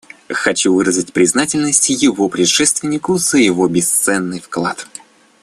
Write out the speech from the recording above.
Хочу выразить признательность его предшественнику за его бесценный вклад.